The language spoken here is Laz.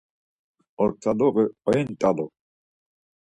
Ortaluği oyint̆alu.